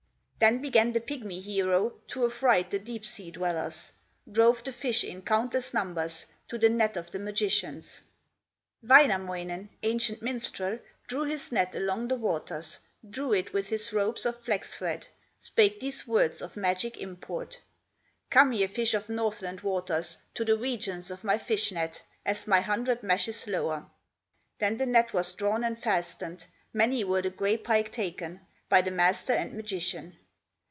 Then began the pigmy hero, To affright the deep sea dwellers; Drove the fish in countless numbers To the net of the magicians. Wainamoinen, ancient minstrel, Drew his net along the waters, Drew it with his ropes of flax thread, Spake these words of magic import: "Come ye fish of Northland waters To the regions of my fish net, As my hundred meshes lower." Then the net was drawn and fastened, Many were the gray pike taken By the master and magician.